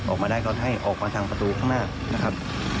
ออกมาได้ก็ให้ออกมาทางประตูข้างหน้านะครับ